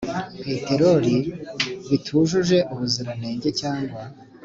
Peteroli bitujuje ubuziranenge cyangwa